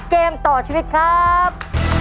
เกมต่อชีวิตครับ